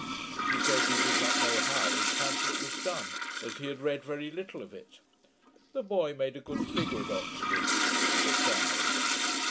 He said, he did not know how his pamphlet was done, as he had read very little of it. The boy made a good figure at Oxford, but died.